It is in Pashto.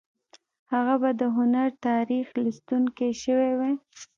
هغه به د هنر تاریخ لوستونکی شوی وای